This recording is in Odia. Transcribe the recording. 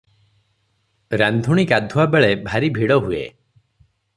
ରାନ୍ଧୁଣୀ ଗାଧୁଆ ବେଳେ ଭାରି ଭିଡ଼ ହୁଏ ।